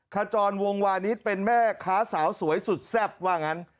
ขจรวงวานิสเป็นแม่ค้าสาวสวยสุดแซ่บว่างั้น